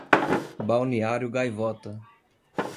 Balneário Gaivota